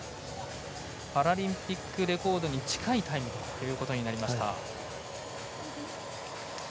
パラリンピックレコードに近いタイムとなりました。